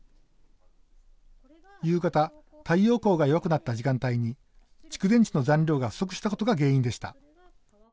夕方、太陽光が弱くなった時間帯に蓄電池の残量が不足したことが原因でした。